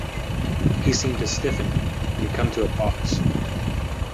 He seemed to stiffen and come to a pause.